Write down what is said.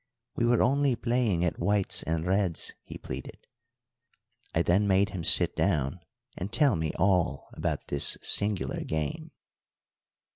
"We were only playing at Whites and Reds," he pleaded. I then made him sit down and tell me all about this singular game.